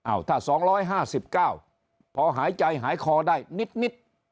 อ้าวถ้าสองร้อยห้าสิบเก้าพอหายใจหายคอได้นิดนิด